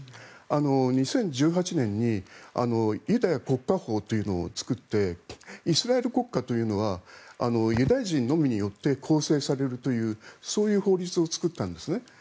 ２０１８年にユダヤ国家法というのを作ってイスラエル国家というのはユダヤ人のみによって構成されるというそういう法律を作ったんです。